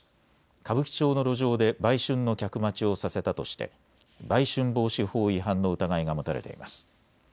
歌舞伎町の路上で売春の客待ちをさせたとして売春防止法違反の疑いが持たれています。